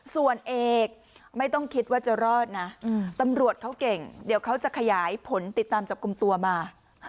ส่วนเอกไม่ต้องคิดว่าจะรอดนะตำรวจเขาเก่งเดี๋ยวเขาจะขยายผลติดตามจับกลุ่มตัวมา